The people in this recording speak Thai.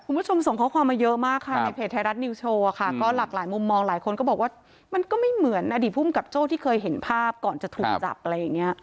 คุณผู้ชมส่งข้อความมาเยอะมากค่ะในเพจไทยรัฐนิวโชว์ค่ะก็หลากหลายมุมมองหลายคนก็บอกว่ามันก็ไม่เหมือนอดีตภูมิกับโจ้ที่เคยเห็นภาพก่อนจะถูกจับอะไรอย่างนี้